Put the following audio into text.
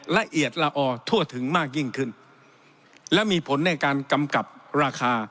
ละเอียดละออทั่วถึงมากยิ่งขึ้นและมีผลในการกำกับราคา